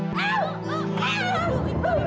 nggak mau ibu ibu